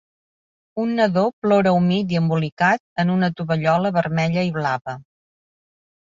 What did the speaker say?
Un nadó plora humit i embolicat en una tovallola vermella i blava.